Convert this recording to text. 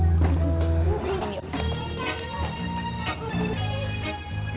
bu dokternya ada bu iin